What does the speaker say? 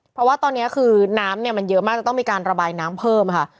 เพราะว่าตอนนี้คือน้ำเนี่ยมันเยอะมากจะต้องมีการระบายน้ำเพิ่มค่ะ